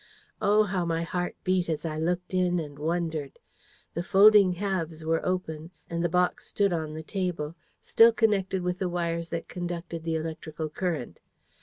Oh, how my heart beat as I looked in and wondered! The folding halves were open, and the box stood on the table, still connected with the wires that conducted the electrical current.